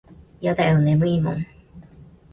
やだよ眠いもん。